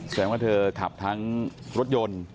แสดงว่าเธอขับทั้งรถยนต์